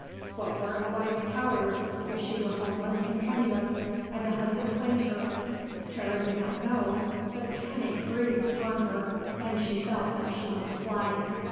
What were a wife's powers if she was homeless and penniless, and a husband claimed her? Karen did not know; but panic breathed upon her, and she felt that she must fly.